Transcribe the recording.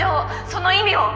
その意味を。